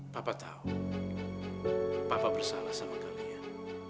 papa tahu papa bersalah sama kalian